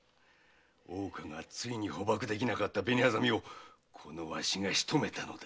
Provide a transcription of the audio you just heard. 大岡がついに捕縛できなかった紅薊をわしがしとめたのだ。